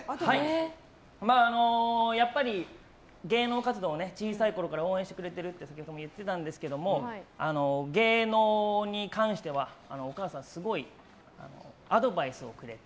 芸能活動を小さいころから応援してくれているって先ほども言ってたんですけど芸能に関してはお母さんすごいアドバイスをくれて。